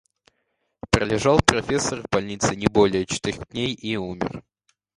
Пролежал профессор в больнице не более четырех дней и умер.